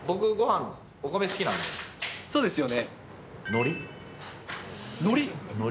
そうですよね。